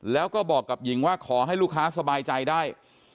แล้วก็บอกกับหญิงว่าขอให้ลูกค้าสบายใจได้